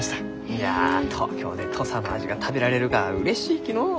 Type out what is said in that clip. いや東京で土佐の味が食べられるがはうれしいきのう。